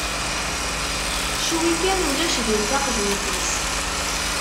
Cwi kan ulac din taqjunt-is.